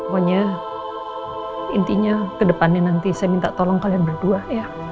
pokoknya intinya kedepannya nanti saya minta tolong kalian berdua ya